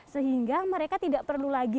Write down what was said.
sehingga mereka tidak perlu lagi